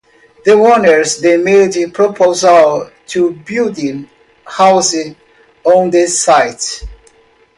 The owners then made proposals to build houses on the site.